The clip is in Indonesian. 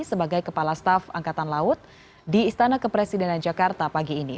sebagai kepala staf angkatan laut di istana kepresidenan jakarta pagi ini